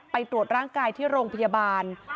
ไปตรวจร่างกายที่โรงพยาบาล